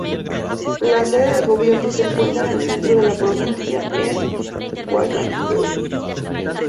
La sede del gobierno se encuentra en el centro de la provincia, en Hwayang-eup.